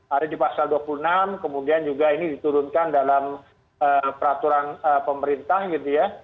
ada di pasal dua puluh enam kemudian juga ini diturunkan dalam peraturan pemerintah gitu ya